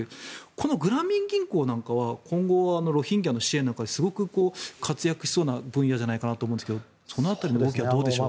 このグラミン銀行は今後、ロヒンギャの支援ですごく活躍しそうな分野じゃないかなと思うんですがその辺りどうでしょう。